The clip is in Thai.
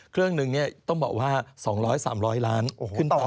เครื่องนึงต้องบอกว่า๒๐๐๓๐๐ล้าน